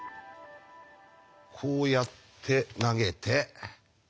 こうやって投げて。